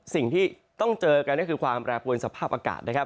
สิ่งที่ต้องเจอกันก็คือความแบบวนสภาพอากาศ